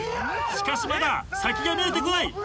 しかしまだ先が見えてこない。